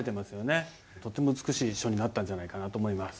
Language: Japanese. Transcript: とても美しい書になったんじゃないかなと思います。